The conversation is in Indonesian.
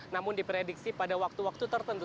namun diprediksi pada waktu waktu tertentu